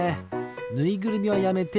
ぬいぐるみはやめて。